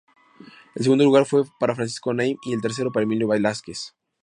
El segundo lugar fue para Francisco Name y el tercero, para Emilio Velázquez.